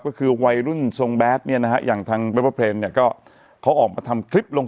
ก็คือวัยรุ่นทรงแบดเนี่ยนะฮะอย่างทางเนี่ยก็เขาออกมาทำคลิปลง